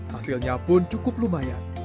hasilnya pun cukup lumayan